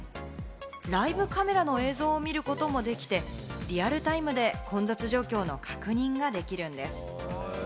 ライブカメラの映像を見ることもできて、リアルタイムで混雑状況の確認ができるんです。